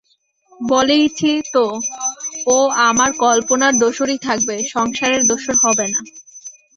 বলেইছি তো ও আমার কল্পনার দোসরই থাকবে সংসারের দোসর হবে না!